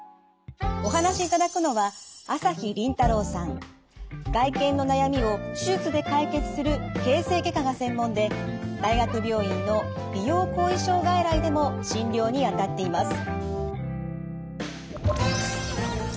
お話しいただくのは外見の悩みを手術で解決する形成外科が専門で大学病院の美容後遺症外来でも診療にあたっています。